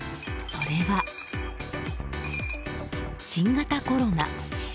それは、新型コロナ。